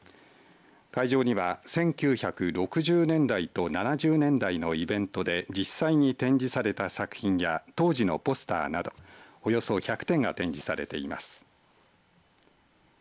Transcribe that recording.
会場には１９６０年代と７０年代のイベントで実際に展示された作品や当時のポスターなどおよそ１００点が展示されています。